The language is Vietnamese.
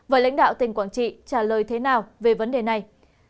với lãnh đạo tỉnh quảng trị trả lời thế nào về vấn đề này